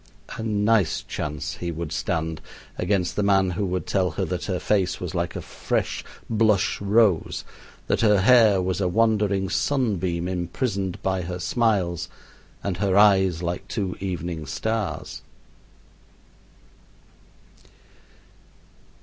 A nice chance he would stand against the man who would tell her that her face was like a fresh blush rose, that her hair was a wandering sunbeam imprisoned by her smiles, and her eyes like two evening stars.